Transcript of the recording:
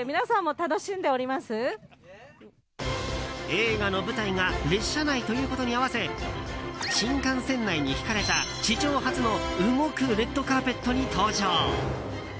映画の舞台が列車内ということに合わせ新幹線内に敷かれた史上初の動くレッドカーペットに登場。